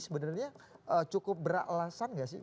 sebenarnya cukup beralasan nggak sih